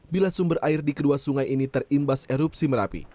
bila sumber air di kedua sungai ini terimbas erupsi merapi